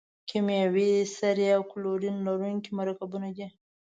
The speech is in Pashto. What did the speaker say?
کیمیاوي سرې او کلورین لرونکي مرکبونه دي.